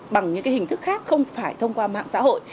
bằng những hình thức khác không phải thông qua mạng xã hội